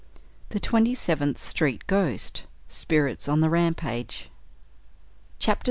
THE TWENTY SEVENTH STREET GHOST. SPIRITS ON THE RAMPAGE.